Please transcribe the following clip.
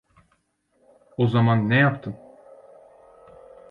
O zaman ne yaptın?